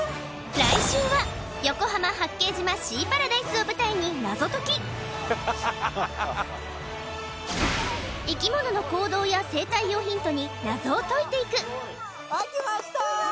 来週は横浜・八景島シーパラダイスを舞台に謎解き生き物の行動や生態をヒントに謎を解いていく開きました